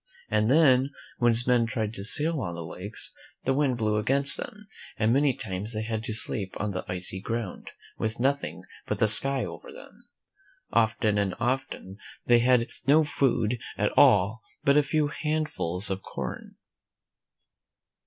And then, when his men tried to sail on the lakes, the wind blew against them, and many times they had to sleep on the icy ground, with nothing but the sky over them. Often and often they had no food at all but a few handfuls of corn.